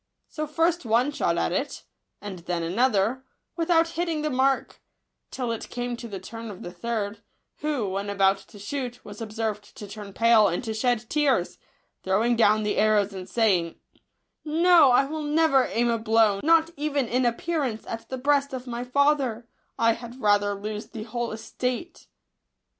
So first one shot at it, and then another, without hitting the mark ; till it came to the turn of the third, who, when about to shoot, was observed to turn pale and to shed tears, throwing down the arrows, and saying, " No, I will never aim a blow, not even in appearance* at the breast of my father; I had rather lose the whole estate."